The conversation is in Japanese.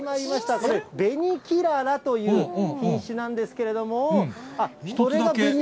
これ、紅きららという品種なんですけれども。